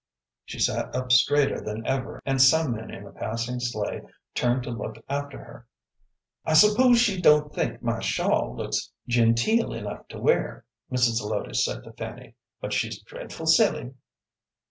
She sat up straighter than ever, and some men in a passing sleigh turned to look after her. "I s'pose she don't think my shawl looks genteel enough to wear," Mrs. Zelotes said to Fanny; "but she's dreadful silly."